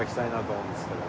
思うんですけど。